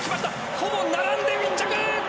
ほぼ並んで１着。